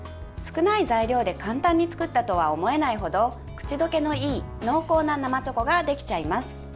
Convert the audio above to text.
少ない材料で簡単に作ったとは思えないほど口溶けのいい濃厚な生チョコができちゃいます。